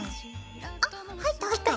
あ入った入った。